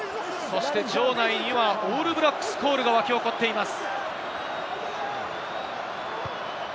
場内にはオールブラックスコールが沸き起こっています。